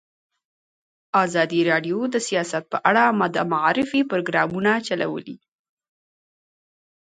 ازادي راډیو د سیاست په اړه د معارفې پروګرامونه چلولي.